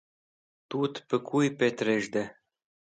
Tut pe ku pẽtrez̃ht.